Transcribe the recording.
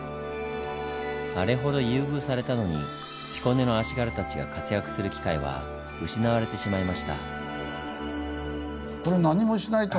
あれほど優遇されたのに彦根の足軽たちが活躍する機会は失われてしまいました。